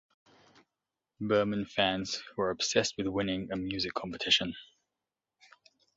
Burman fans who are obsessed with winning a music competition.